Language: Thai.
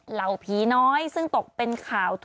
เหล่าผีน้อยซึ่งตกเป็นข่าว